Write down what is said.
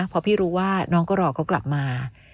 พอพี่รู้ว่าน้องก็รอเขากลับมา